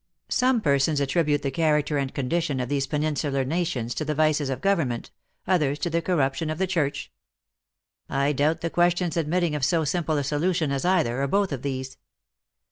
Some persons attribute the character and condition of these penin sular nations to the vices of government, others to the corruption of the church. I doubt the question s ad mitting of so simple a solution as either, or both of these.